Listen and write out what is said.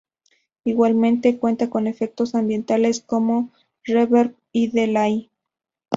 Igualmente cuenta con efectos ambientales como reverb y delay.